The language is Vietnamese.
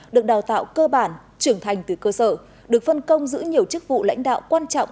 được đào tạo cơ bản trưởng thành từ cơ sở được phân công giữ nhiều chức vụ lãnh đạo quan trọng